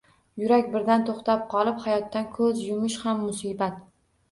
Yurak birdan to‘xtab qolib, hayotdan ko‘z yumish ham musibat